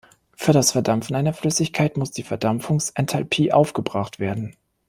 Für das Verdampfen einer Flüssigkeit muss die Verdampfungsenthalpie aufgebracht werden.